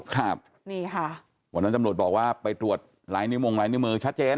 ครับนี่ค่ะวันนั้นตำรวจบอกว่าไปตรวจลายนิ้วมงลายนิ้วมือชัดเจน